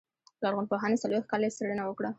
لرغونپوهانو څلوېښت کاله څېړنه وکړه.